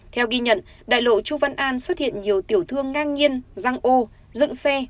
theo ghi nhận đại lộ chu văn an xuất hiện nhiều tiểu thương ngang nhiên răng u dựng xe